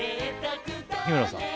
日村さん